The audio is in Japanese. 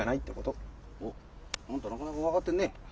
おっあんたなかなか分かってんねえ。